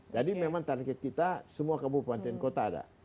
jadi memang target kita semua kabupaten kota ada